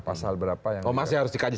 pasal berapa ya oh masih harus dikaji